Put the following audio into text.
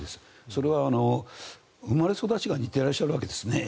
それは生まれ育ちが似てらっしゃるわけですね。